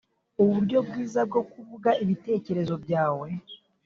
uburyo bwiza bwo kuvuga ibitekerezo byawe.